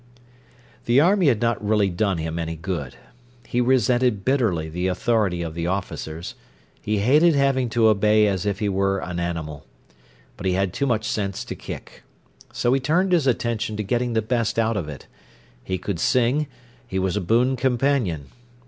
The army had not really done him any good. He resented bitterly the authority of the officers. He hated having to obey as if he were an animal. But he had too much sense to kick. So he turned his attention to getting the best out of it. He could sing, he was a boon companion.